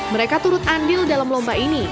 mereka turut andil dalam lomba ini